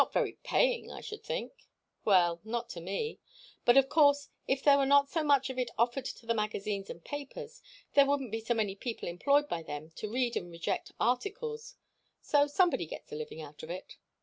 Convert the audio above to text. "Not very paying, I should think." "Well not to me. But of course, if there were not so much of it offered to the magazines and papers, there wouldn't be so many people employed by them to read and reject articles. So somebody gets a living out of it.